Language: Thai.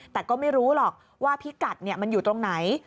แต่ก็ไม่รู้หรอกว่าพิกัดมันอยู่ตรงไหน